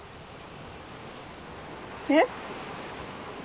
えっ？